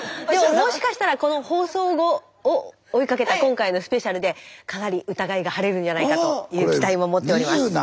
でももしかしたらこの放送後を追いかけた今回のスペシャルでかなり疑いが晴れるんじゃないかという期待も持っております。